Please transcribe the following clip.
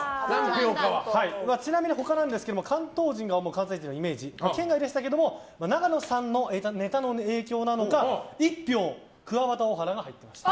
ちなみに他なんですが関東人が思う関西人のイメージ圏外でしたけど永野さんのネタの影響なのか１票、クワバタオハラが入っていました。